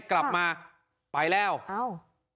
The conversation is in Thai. กลับมาไปแล้วอ้าว